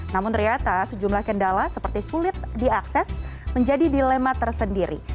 namun ternyata sejumlah kendala seperti sulit diakses menjadi dilema tersendiri